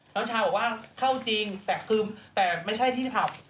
เช้าชาบอกว่าเข้าจริงแต่คือแต่ไม่ใช่ที่ผับ